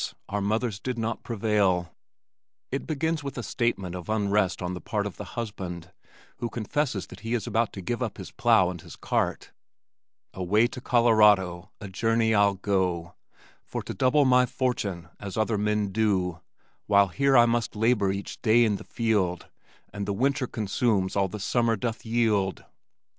our mothers did not prevail. It begins with a statement of unrest on the part of the husband who confesses that he is about to give up his plow and his cart Away to Colorado a journey I'll go, For to double my fortune as other men do, While here I must labor each day in the field And the winter consumes all the summer doth yield.